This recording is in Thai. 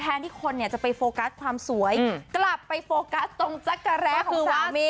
ที่คนเนี่ยจะไปโฟกัสความสวยกลับไปโฟกัสตรงจักรแร้ของสามี